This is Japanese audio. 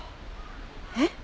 えっ？